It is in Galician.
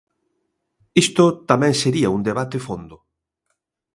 Isto tamén sería un debate fondo.